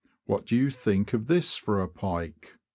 What do you think of this for a pike